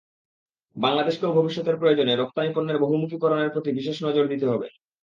বাংলাদেশকেও ভবিষ্যতের প্রয়োজনে রপ্তানি পণ্যের বহুমুখীকরণের প্রতি বিশেষ নজর দিতে হবে।